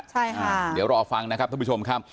ใช่ค่ะเดี๋ยวรอฟังนะครับท่านผู้ชมครับ